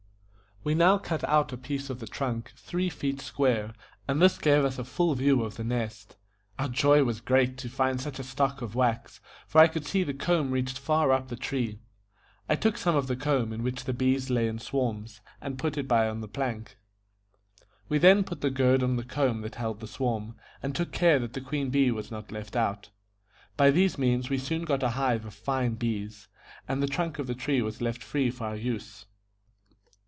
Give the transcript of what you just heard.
We now cut out a piece of the trunk, three feet square, and this gave us a full view of the nest. Our joy was great to find such a stock of wax, for I could see the comb reached far up the tree. I took some of the comb, in which the bees lay in swarms, and put it by on the plank. We then put the gourd on the comb that held the swarm, and took care that the queen bee was not left out. By these means we soon got a hive of fine bees, and the trunk of the tree was left free for our use.